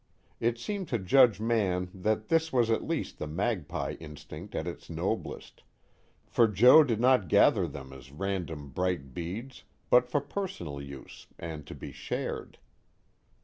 It seemed to Judge Mann that this was at least the magpie instinct at its noblest, for Joe did not gather them as random bright beads, but for personal use and to be shared.